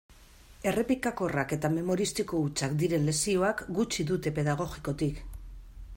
Errepikakorrak eta memoristiko hutsak diren lezioak gutxi dute pedagogikotik.